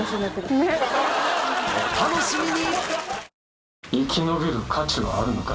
ねっお楽しみに！